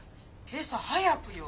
今朝早くよ。